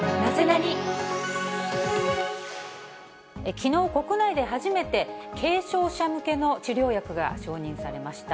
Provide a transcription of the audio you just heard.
きのう、国内で初めて、軽症者向けの治療薬が承認されました。